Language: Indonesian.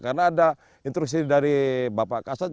karena ada instruksi dari bapak kasat